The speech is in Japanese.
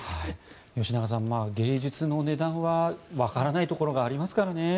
吉永さん、芸術の値段はわからないところがありますからね。